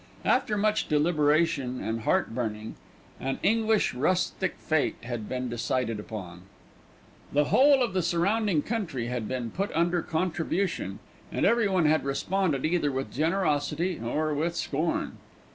After much deliberation and heart burning, an English Rustic Fête had been decided upon. The whole of the surrounding country had been put under contribution, and everyone had responded either with generosity or with scorn.